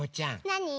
なに？